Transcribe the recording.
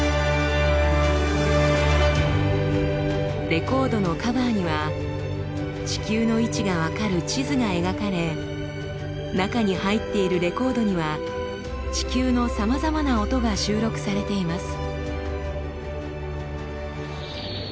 レコードのカバーには地球の位置が分かる地図が描かれ中に入っているレコードには地球のさまざまな音が収録されています。